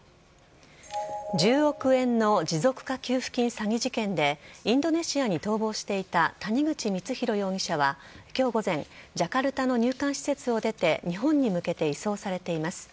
１０億円の持続化給付金詐欺事件でインドネシアに逃亡していた谷口光弘容疑者は今日午前ジャカルタの入管施設を出て日本に向けて移送されています。